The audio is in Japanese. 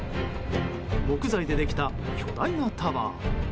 木材でできた巨大なタワー。